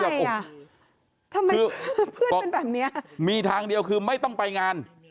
ทำไมคือเพื่อนเป็นแบบเนี้ยมีทางเดียวคือไม่ต้องไปงาน